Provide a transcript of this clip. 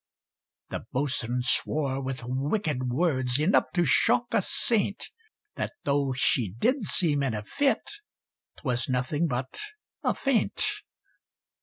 The Boatswain swore with wicked words, Enough to shock a saint. That though she did seem in a fit, 'Twas nothing but a feint.